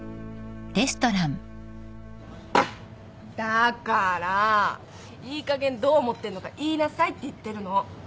だからいいかげんどう思ってんのか言いなさいって言ってるの。